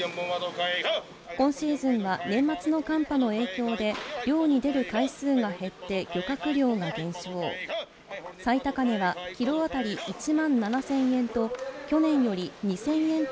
今シーズンは年末の寒波の影響で漁に出る回数が減って漁獲量が減少、最高値はキロあたり１万７０００円と、去年より２０００円